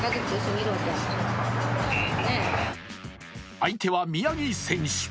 相手は宮城選手。